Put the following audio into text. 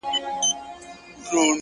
پوه انسان د غرور بندي نه وي